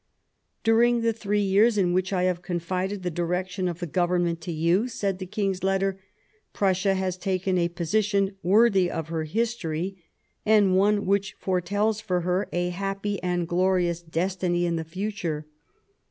" During the thiee years in which I have confided the direction of the Government to you," said the King's letter, " Prussia has taken a position worthy of her history, and one which foretells for her a happy and glorious destiny in the future.